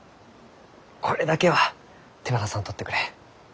これだけは手放さんとってくれ。